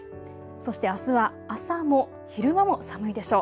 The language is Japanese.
そしてあすは朝も昼間も寒いでしょう。